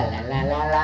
nih gua kasih lo